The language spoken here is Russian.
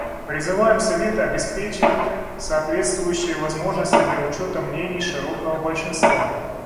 Призываем Совет обеспечить соответствующие возможности для учета мнений широкого большинства.